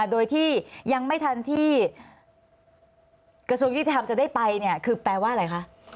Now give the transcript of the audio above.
โดยที่ยังไม่ทันที่กระทรวงยุติธรรมจะได้ไปเนี่ยคือแปลว่าอะไรคะ